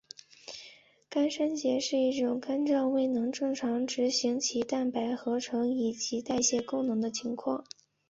肝衰竭是一种肝脏未能正常执行其蛋白合成以及代谢功能的情况。